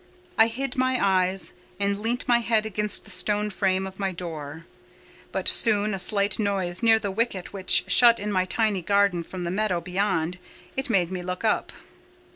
I hid my eyes, and leant my head against the stone frame of my door; but soon a slight noise near the wicket which shut in my tiny garden from the meadow beyond it made me look up.